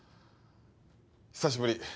久しぶり。